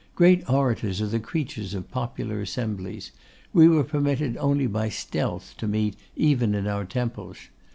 Great orators are the creatures of popular assemblies; we were permitted only by stealth to meet even in our temples.